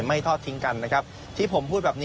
ไม่ทอดทิ้งกันนะครับ